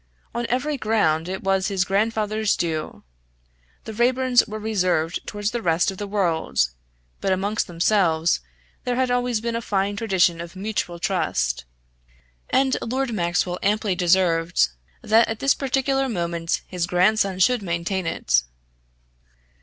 On every ground it was his grandfather's due. The Raeburns were reserved towards the rest of the world, but amongst themselves there had always been a fine tradition of mutual trust; and Lord Maxwell amply deserved that at this particular moment his grandson should maintain it.